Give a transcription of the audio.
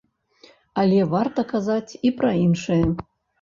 Але варта казаць і пра іншае.